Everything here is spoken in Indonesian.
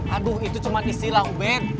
aduh itu cuma istilah ubed